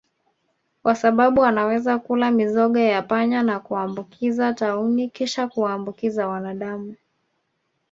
kwa sbabu anaweza kula mizoga ya panya na kuambukizwa tauni kisha kuwaambukiza wanadamu